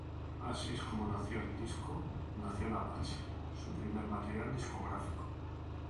Así es como nació el disco Nación Apache, su primer material discográfico.